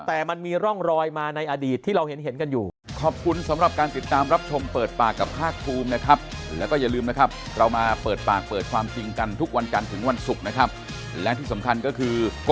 แต่มันมีร่องรอยมาในอดีตที่เราเห็นกันอยู่